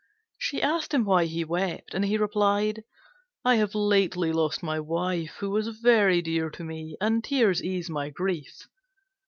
She asked him why he wept; and he replied, "I have lately lost my wife, who was very dear to me, and tears ease my grief."